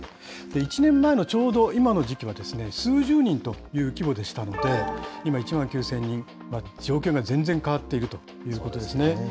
１年前のちょうど今の時期は、数十人という規模でしたので、今、１万９０００人、状況が全然変わっているということですね。